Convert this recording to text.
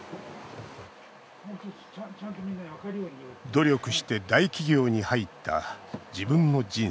努力して大企業に入った自分の人生。